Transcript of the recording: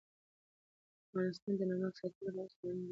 افغانستان د نمک د ساتنې لپاره قوانین لري.